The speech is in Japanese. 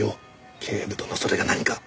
警部殿それが何か？